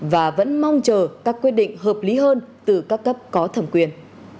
và vẫn mong chờ các quyết định hợp lý hơn từ các cấp có thẩm quyền